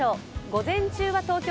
午前中は東京△